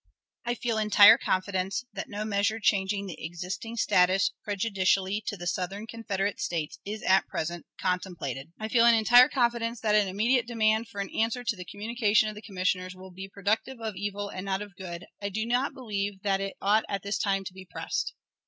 "I feel entire confidence that no measure changing the existing status prejudicially to the Southern Confederate States is at present contemplated. "I feel an entire confidence that an immediate demand for an answer to the communication of the commissioners will be productive of evil and not of good. I do not believe that it ought, at this time, to be pressed."